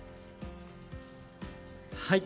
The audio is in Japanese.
はい。